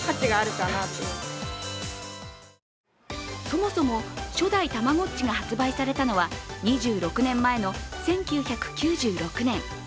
そもそも初代たまごっちが発売されたのは２６年前の１９９６年。